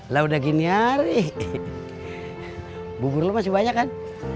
lo udah gini hari bubur lo masih banyak kan